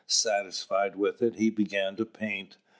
Satisfied with it, he began to paint.